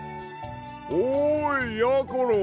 おいやころ！